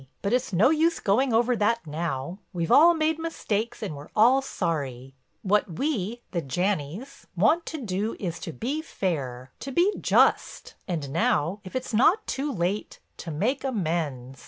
But it's no use going over that now—we've all made mistakes and we're all sorry. What we—the Janneys—want to do is to be fair, to be just, and now—if it is not too late—to make amends.